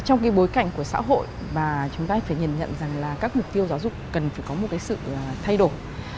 trong cái bối cảnh của xã hội và chúng ta phải nhận nhận rằng là các mục tiêu giáo dục cần phải có một sự thay đổi